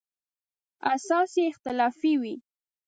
اساس یې اختلافي وي.